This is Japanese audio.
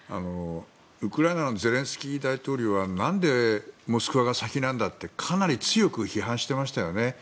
ウクライナのゼレンスキー大統領は何でモスクワが先なんだとかなり強く批判していましたよね。